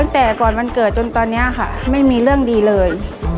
ตั้งแต่ก่อนวันเกิดจนตอนนี้ค่ะไม่มีเรื่องดีเลย